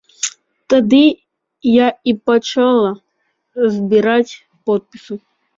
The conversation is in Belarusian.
Тады я і пачала збіраць подпісы.